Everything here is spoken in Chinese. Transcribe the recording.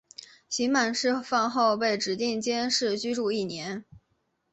刑满释放后被指定监视居住一年。